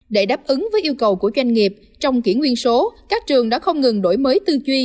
để đáp ứng với yêu cầu của doanh nghiệp trong kỷ nguyên số các trường đã không ngừng đổi mới tư duy